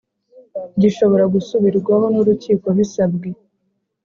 Gishobora gusubirwaho n urukiko bisabwe